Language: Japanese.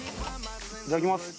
いただきます。